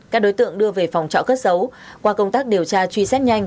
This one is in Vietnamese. các đối tượng đưa về phòng trọ cất giấu qua công tác điều tra truy xét nhanh